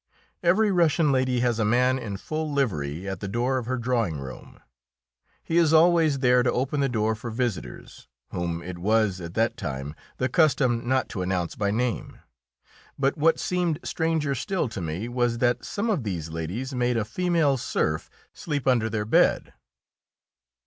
Every Russian lady has a man in full livery at the door of her drawing room; he is always there to open the door for visitors, whom it was at that time the custom not to announce by name. But what seemed stranger still to me was that some of these ladies made a female serf sleep under their bed.